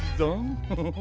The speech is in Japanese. フフフフ。